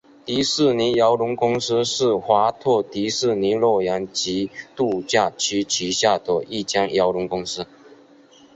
迪士尼邮轮公司是华特迪士尼乐园及度假区旗下的一间邮轮公司。